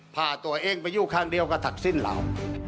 พาตัวเองไปอยู่ข้างเดียวก็ทักสิ้นเรา